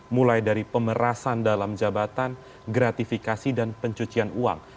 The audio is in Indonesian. mulai dari pemerasan dalam jabatan gratifikasi dan pencucian uang